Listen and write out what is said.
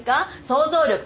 想像力